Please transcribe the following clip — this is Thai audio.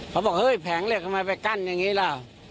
บอกเฮ้ยแผงเหล็กทำไมไปกั้นอย่างนี้ล่ะ